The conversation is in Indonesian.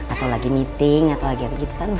atau lagi meeting atau lagi apa gitu kan bu